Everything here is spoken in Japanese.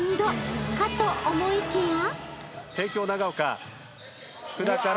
［かと思いきや］